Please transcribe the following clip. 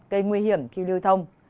cây nguy hiểm khi lưu thông